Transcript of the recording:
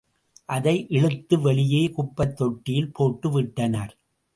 அதை இழுத்து வெளியே குப்பைத் தொட்டியில் போட்டு விட்டனர்.